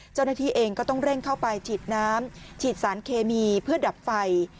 เจ้าหน้าที่เองก็ต้องเร่งเข้าไปฉีดน้ำฉีดสารเคมีเพื่อดับไฟ